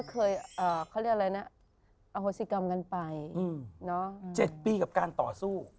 เคยเขาเรียกอะไรนะอโหสิกรรมกันไป๗ปีกับการต่อสู้